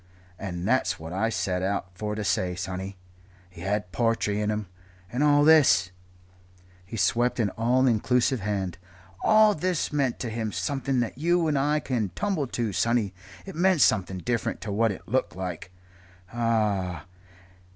And that's what I set out for to say, sonny. He had po'try in him. And all this" he swept an all inclusive hand "all this meant to him something that you and I can't tumble to, sonny. It meant something different to what it looked like ah!"